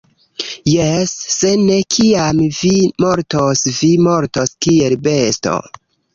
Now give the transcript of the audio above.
Jes! Se ne, kiam vi mortos, vi mortos kiel besto